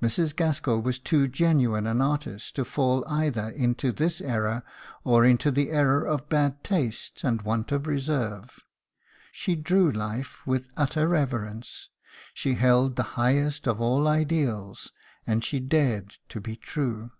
Mrs. Gaskell was too genuine an artist to fall either into this error or into the error of bad taste and want of reserve. She drew life with utter reverence; she held the highest of all ideals, and she dared to be true.